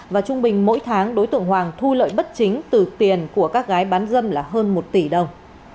và trung bình mỗi tháng đối tượng hoàng thu lợi bất chính từ tiền của các gái bán dâm là hơn một tỷ đồng